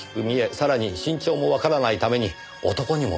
さらに身長もわからないために男にも見えるでしょう。